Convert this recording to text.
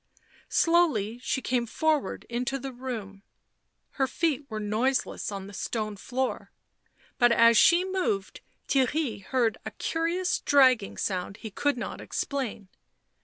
Slowly she came forward into the room; her feet were noiseless on the stone floor, but as she moved Theirry heard a curious dragging sound he could not explain.